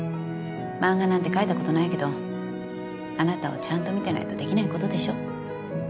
漫画なんて描いたことないけどあなたをちゃんと見てないとできないことでしょ。